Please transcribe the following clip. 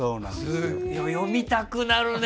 読みたくなるね！